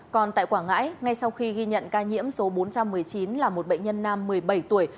còn tại quảng ngãi ngay sau khi ghi nhận ca nhiễm số bốn trăm một mươi chín là một bệnh nhân nam một mươi bảy tuổi